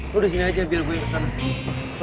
lo di sini aja biar gue yang kesana